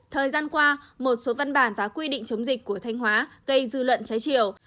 thời gian qua một số văn bản và quy định chống dịch của thanh hóa gây dư luận trái chiều